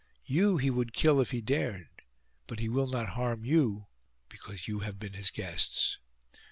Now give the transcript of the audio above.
You he would kill if he dared; but he will not harm you, because you have been his guests.